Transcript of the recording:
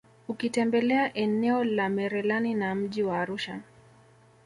Ukitembelea eneo la Merelani na mji wa Arusha